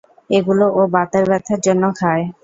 এগুলো ও বাতের ব্যাথার জন্য খায়!